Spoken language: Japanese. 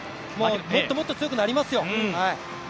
もっともっと強くなりますよ。